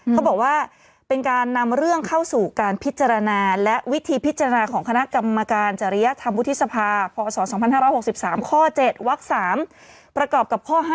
เขาบอกว่าเป็นการนำเรื่องเข้าสู่การพิจารณาและวิธีพิจารณาของคณะกรรมการจริยธรรมวุฒิสภาพศ๒๕๖๓ข้อ๗วัก๓ประกอบกับข้อ๕